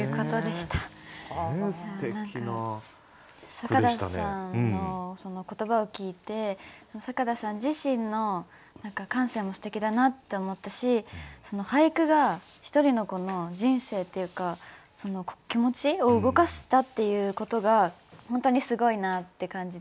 坂田さんの言葉を聞いて坂田さん自身の感性もすてきだなって思ったし俳句が一人の子の人生っていうか気持ちを動かしたっていうことが本当にすごいなって感じて。